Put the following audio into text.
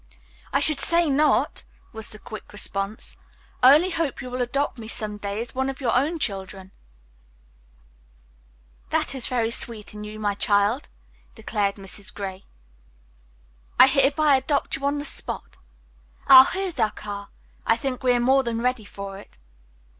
"I should say not!" was the quick response. "I only hope you will adopt me some day as one of your children." "That is very sweet in you, my child," declared Mrs. Gray. "I hereby adopt you on the spot. Ah, here is our car. I think we are more than ready for it."